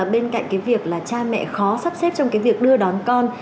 bên cạnh cái việc là cha mẹ khó sắp xếp trong cái việc đưa đón con